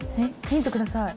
ヒントください。